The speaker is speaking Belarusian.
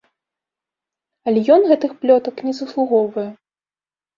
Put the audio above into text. Але ён гэтых плётак не заслугоўвае.